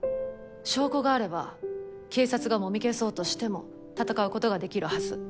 証拠があれば警察がもみ消そうとしても闘う事ができるはず。